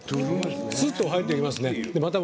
すっと入ってきますね。